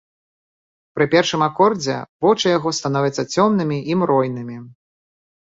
Пры першым акордзе вочы яго становяцца цёмнымі і мройнымі.